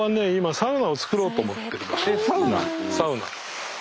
サウナ。